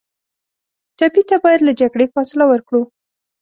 ټپي ته باید له جګړې فاصله ورکړو.